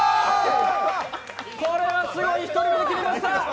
これはすごい、１人で決めました！